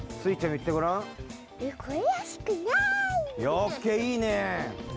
オッケーいいね！